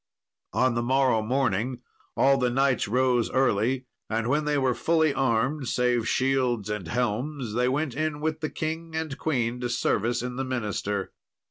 On the morrow morning all the knights rose early, and when they were fully armed, save shields and helms, they went in with the king and queen to service in the minster.